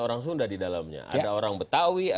orang sunda di dalamnya ada orang betawi